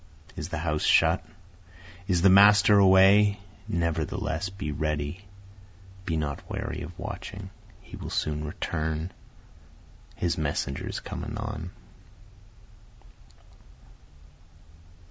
Is the house shut? is the master away? Nevertheless, be ready, be not weary of watching, He will soon return, his messengers come anon.